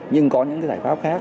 nhưng có những giải pháp khác